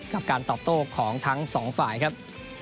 กับการตอบโต้ของทั้งสองฝ่ายครับ